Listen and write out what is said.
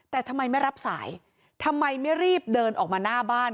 แต่ทำไมไม่รับสายทำไมไม่รีบเดินออกมาหน้าบ้าน